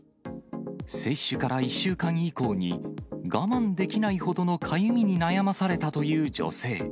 接種から１週間以降に、我慢できないほどのかゆみに悩まされたという女性。